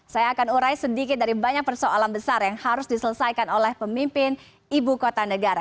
saya akan urai sedikit dari banyak persoalan besar yang harus diselesaikan oleh pemimpin ibu kota negara